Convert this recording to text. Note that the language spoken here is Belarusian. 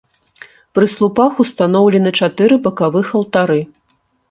Пры слупах ўстаноўлены чатыры бакавых алтары.